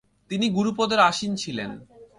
তিনি গুরু পদে আসীন ছিলেন।